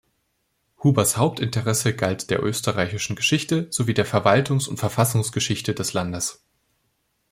Hubers Hauptinteresse galt der österreichischen Geschichte sowie der Verwaltungs- und Verfassungsgeschichte des Landes.